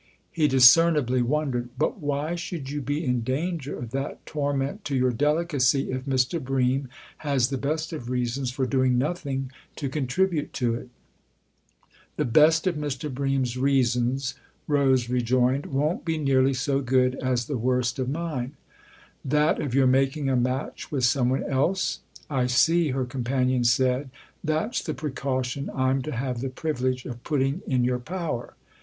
He discernibly wondered. " But why should you be in danger of that torment to your delicacy if Mr. Bream has the best of reasons for doing nothing to contribute to it ?" "The best of Mr. Bream's reasons," Rose re joined, "won't be nearly so good as the worst of mine." " That of your making a match with some one else ? I see," her companion said. " That's the precaution I'm to have the privilege of putting in your power."